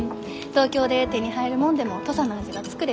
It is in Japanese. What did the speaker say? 東京で手に入るもんでも土佐の味が作れるきね。